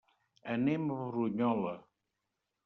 Anem a Brunyola.